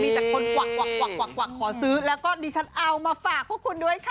มีแต่คนกวักขอซื้อแล้วก็ดิฉันเอามาฝากพวกคุณด้วยค่ะ